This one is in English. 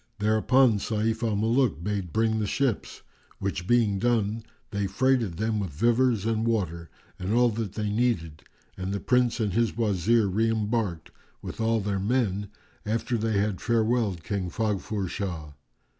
[FN#397] Thereupon Sayf al Muluk bade bring the ships; which being done, they freighted them with vivers and water and all that they needed, and the Prince and his Wazir re embarked, with all their men, after they had farewelled King Faghfur Shah.